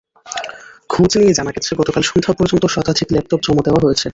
খোঁজ নিয়ে জানা গেছে, গতকাল সন্ধ্যা পর্যন্ত শতাধিক ল্যাপটপ জমা দেওয়া হয়েছে।